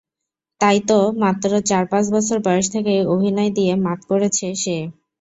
তাই তো মাত্র চার–পাঁচ বছর বয়স থেকেই অভিনয় দিয়ে মাত করেছে সে।